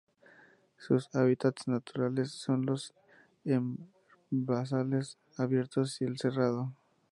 Sus hábitats naturales son los herbazales abiertos y el cerrado.